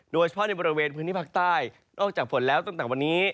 โดยเฉพาะในบริเวณพื้นที่ภาคใต้นอกจากฝนแล้วตั้งแต่วันนี้